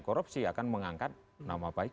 korupsi akan mengangkat nama baik